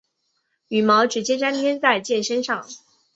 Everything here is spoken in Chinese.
羽毛直接粘贴在箭身上。